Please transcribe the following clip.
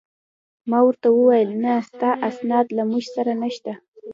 ما ورته وویل: نه، ستا اسناد له موږ سره نشته.